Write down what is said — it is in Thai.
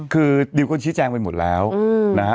คือดิวคุณดิวคุณชี้แจ้งไปหมดแล้วนะฮะ